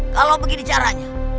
kalau begini caranya